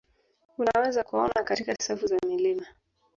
Unaweza kuwaona katika safu za milima